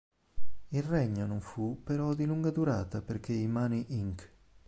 Il regno non fu però di lunga durata perché i Money Inc.